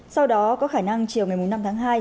sau đó có khả năng chiều ngày năm tháng hai